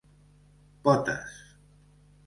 Potes: